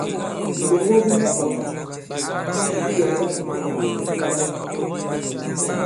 Bìɓoŋgo bi makwàmbà bi yɛ̀kla i ŋkɔ̀ŋ tɔ̀ponda.